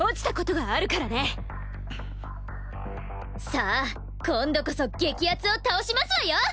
さあ今度こそゲキアツを倒しますわよ！